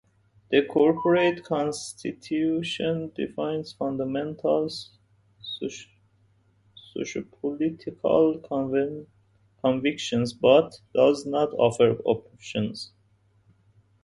The corporate constitution defines fundamental sociopolitical convictions but does not offer opinions.